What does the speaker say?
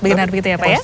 bagaimana arfi apa ya